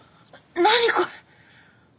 何これ！？